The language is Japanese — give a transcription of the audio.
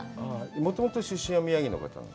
もともと出身は宮城の方なの？